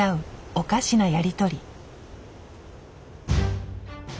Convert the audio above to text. おかしなやり取り。